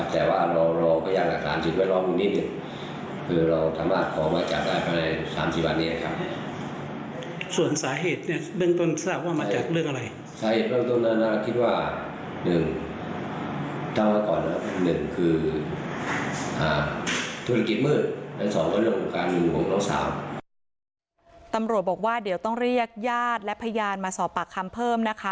ตำรวจบอกว่าเดี๋ยวต้องเรียกญาติและพยานมาสอบปากคำเพิ่มนะคะ